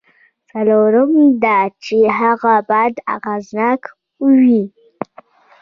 څلورم دا چې هغه باید اغېزناک وي.